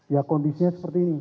ya kondisinya seperti ini